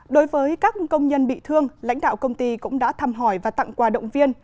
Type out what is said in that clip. đối với các công nhân bị thương lãnh đạo công ty cũng đã thăm hỏi và tặng quà động viên